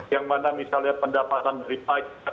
yang mana misalnya pendapatan dari pajak